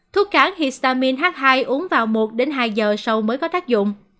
thuốc kháng histamine h hai uống vào một hai giờ sau mới có tác dụng